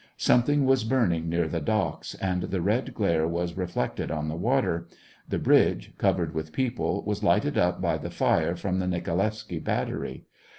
Something was burning near the docks, and the red glare was reflected in the water. The bridge, covered with people, was lighted up by the fire from the Nikolaevsky battery.